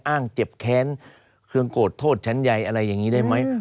อ้างเจ็บแค้นเครื่องโกรธโทษชั้นใยอะไรอย่างนี้ได้ไหม